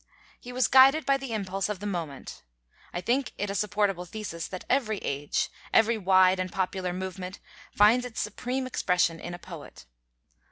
He was guided by the impulse of the moment. I think it a supportable thesis that every age, every wide and popular movement, finds its supreme expression in a Poet.